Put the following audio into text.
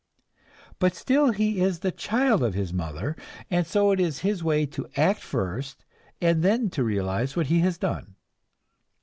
But still he is the child of his mother, and so it is his way to act first, and then to realize what he has done.